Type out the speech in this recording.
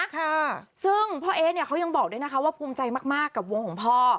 ค่ะซึ่งพ่อเอ๊เนี่ยเขายังบอกด้วยนะคะว่าภูมิใจมากมากกับวงของพ่อ